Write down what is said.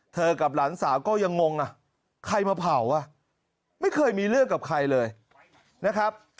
กับหลานสาวก็ยังงงอ่ะใครมาเผาอ่ะไม่เคยมีเรื่องกับใครเลยนะครับ